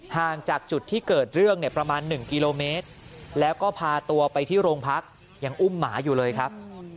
ห่างจากจุดที่เกิดเรื่องเนี่ยประมาณ๑กิโลเมตรแล้วก็พาตัวไปที่โรงพักยังอุ้มหมาอยู่เลยครับ